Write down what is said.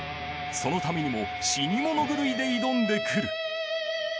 そのためにも死に物狂いで挑んでくる。